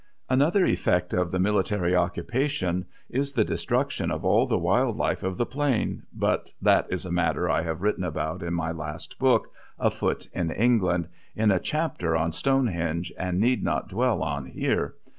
Another effect of the military occupation is the destruction of the wild life of the Plain, but that is a matter I have written about in my last book, "Afoot in England," in a chapter on Stonehenge, and need not dwell on here.